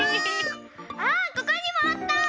あっここにもあった！